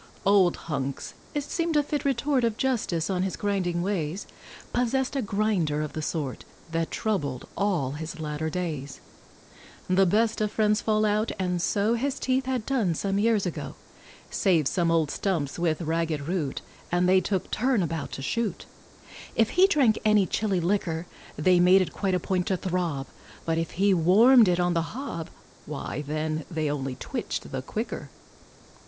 Old Hunks it seemed a fit retort Of justice on his grinding ways Possessed a grinder of the sort, That troubled all his latter days. The best of friends fall out, and so His teeth had done some years ago, Save some old stumps with ragged root, And they took turn about to shoot; If he drank any chilly liquor, They made it quite a point to throb; But if he warmed it on the hob, Why then they only twitched the quicker.